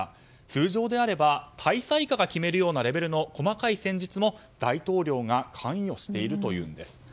通常であれば大佐以下が決めるようなレベルの細かい戦術も大統領が関与しているというんです。